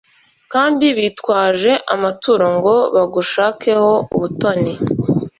kandi bitwaje amaturo ngo bagushakeho ubutoni